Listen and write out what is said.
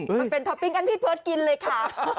มาเป็นท็อปปิ้งกันพี่เบิร์ตกินเลยค่ะ